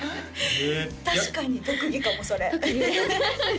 確かに特技かもそれ特技です